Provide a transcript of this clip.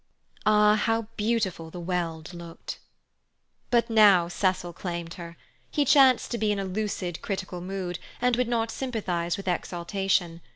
Ah, how beautiful the Weald looked! But now Cecil claimed her. He chanced to be in a lucid critical mood, and would not sympathize with exaltation.